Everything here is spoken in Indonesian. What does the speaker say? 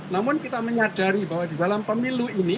namun kita menyadari bahwa di dalam pemilu ini